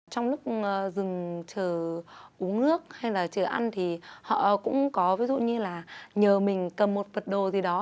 trong lúc dừng chờ uống nước hay là chờ ăn thì họ cũng có ví dụ như là nhờ mình cầm một vật đồ gì đó